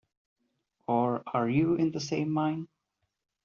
Or are you in the same mind?